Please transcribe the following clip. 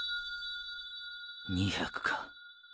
２００か。